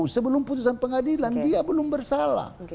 sebelum putusan pengadilan dia belum bersalah